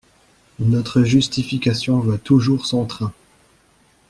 Notre justification va toujours son train.